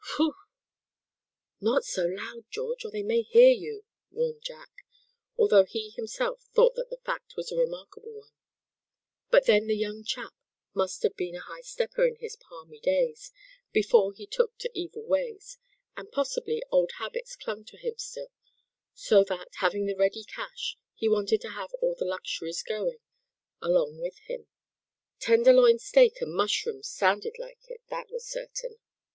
Whew!" "Not so loud, George, or they may hear you," warned Jack, although he himself thought that the fact was a remarkable one; but then the young chap must have been a high stepper in his palmy days, before he took to evil ways; and possibly old habits clung to him still; so that, having the ready cash, he wanted to have all the luxuries going, along with him. Tenderloin steak and mushrooms sounded like it, that was certain.